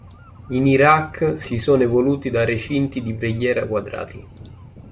In Iraq, si sono evoluti da recinti di preghiera quadrati.